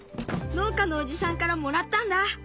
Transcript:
農家のおじさんからもらったんだ。